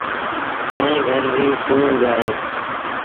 ائيٚݩ گھر ريٚ سُون با اهي۔